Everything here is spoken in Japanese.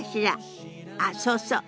あっそうそう。